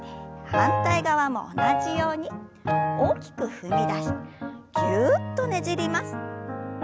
反対側も同じように大きく踏み出してぎゅっとねじります。